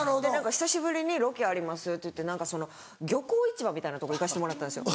久しぶりにロケありますっていって漁港市場みたいなとこ行かせてもらったんですよ。